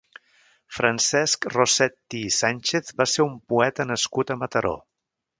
Francesc Rossetti i Sánchez va ser un poeta nascut a Mataró.